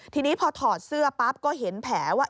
ทีนี้พอถอดเสื้อปั๊บก็เห็นแผลว่า